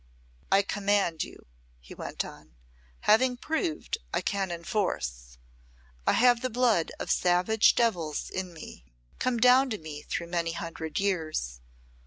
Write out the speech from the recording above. "I command you," he went on; "having proved I can enforce. I have the blood of savage devils in me, come down to me through many hundred years.